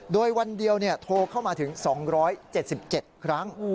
โดยวันเดียวโทรเข้ามาถึง๒๗๗ครั้ง